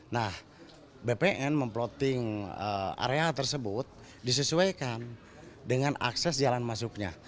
nah bpn memplotting area tersebut disesuaikan dengan akses jalan masuknya